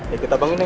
ya kita bangun ya